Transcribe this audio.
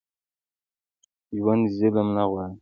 ژوندي ظلم نه غواړي